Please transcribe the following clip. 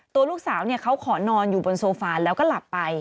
ตัวลูกสาวเขาขอนอนอยู่บนโซฟาแล้วก็หลับไป